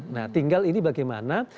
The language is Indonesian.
nah tinggal ini bagaimana